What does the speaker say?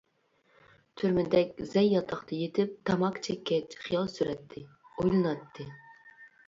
تۈرمىدەك زەي ياتاقتا يېتىپ تاماكا چەككەچ خىيال سۈرەتتى، ئويلىناتتى.